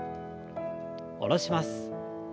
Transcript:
下ろします。